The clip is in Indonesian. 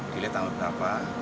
dilihat tahun berapa